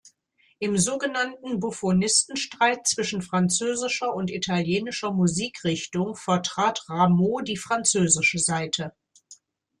Im sogenannten Buffonistenstreit zwischen französischer und italienischer Musikrichtung vertrat Rameau die französische Seite.